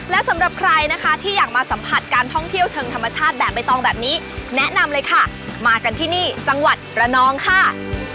และสำหรับใครนะคะที่อยากมาสัมผัสการท่องเที่ยวเชิงธรรมชาติแบบใบตองแบบนี้แนะนำเลยค่ะมากันที่นี่จังหวัดระนองค่ะ